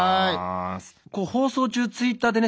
放送中ツイッターでね